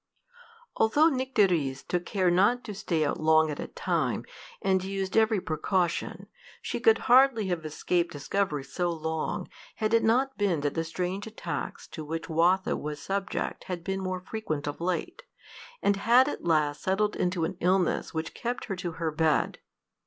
Although Nycteris took care not to stay out long at a time, and used every precaution, she could hardly have escaped discovery so long, had it not been that the strange attacks to which Watho was subject had been more frequent of late, and had at last settled into an illness which kept her to her bed.